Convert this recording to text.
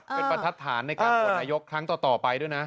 เป็นประทัดฐานในการโหวตนายกครั้งต่อไปด้วยนะ